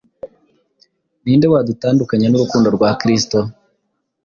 Ni nde wadutandukanya n’urukundo rwa Kristo?